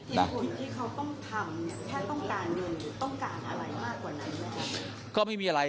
หินคุณที่เขาต้องทำแค่ต้องการเงินต้องการอะไรมากกว่านั้น